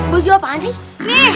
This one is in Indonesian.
baju apaan sih